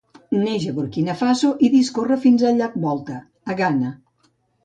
Neix a Burkina Faso i discorre fins al llac Volta, a Ghana.